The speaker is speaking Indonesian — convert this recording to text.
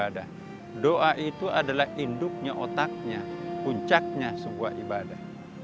doa itu adalah induknya otaknya puncaknya sebuah ibadah